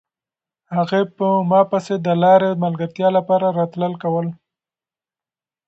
هغې په ما پسې د لارې د ملګرتیا لپاره راتلل کول.